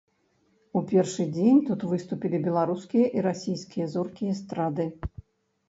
У першы дзень тут выступілі беларускія і расійскія зоркі эстрады.